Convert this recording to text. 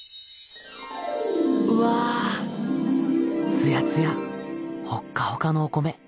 つやつやほっかほかのお米。